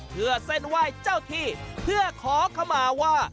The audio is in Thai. เพื่อเส้นไหว้เจ้าที่เพื่อขอขมาว่า